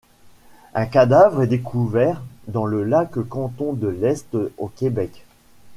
Un cadavre est découvert dans le lac Cantons-de-l'Est au Québec.